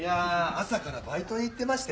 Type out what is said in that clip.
朝からバイトに行ってましてね。